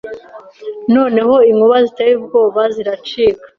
Noneho inkuba ziteye ubwoba ziracika